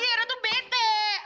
aira tuh bete